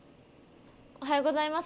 おはようございます。